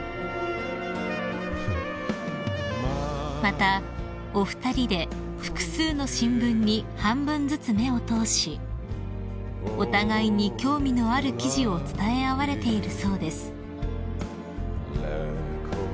［またお二人で複数の新聞に半分ずつ目を通しお互いに興味のある記事を伝え合われているそうです］